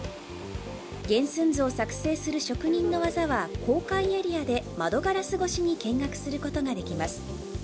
原寸図を作成する職人の技は公開エリアで窓ガラス越しに見学することができます。